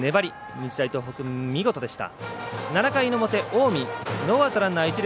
日大東北、見事でした。